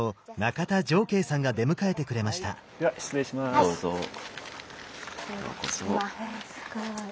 えすごい。